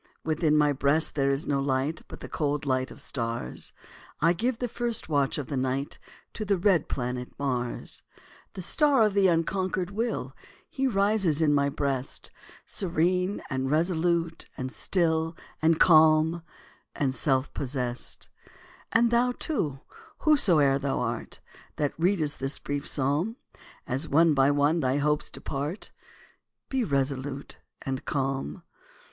Within my breast there is no light, But the cold light of stars; I give the first watch of the night To the red planet Mars. The star of the unconquered will, He rises in my breast, Serene, and resolute, and still, And calm, and self possessed. And thou, too, whosoe'er thou art, That readest this brief psalm, As one by one thy hopes depart, Be resolute and calm.